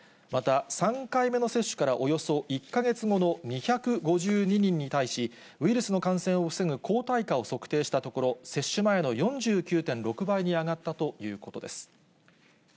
また、３回目の接種からおよそ１か月後の２５２人に対し、ウイルスの感染を防ぐ抗体価を測定したところ、接種前の４９．６倍に上がったということです。